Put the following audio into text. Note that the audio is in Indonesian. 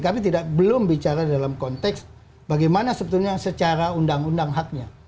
kami belum bicara dalam konteks bagaimana sebetulnya secara undang undang haknya